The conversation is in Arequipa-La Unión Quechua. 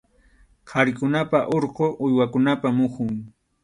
Qharikunapa urqu uywakunapa muhun.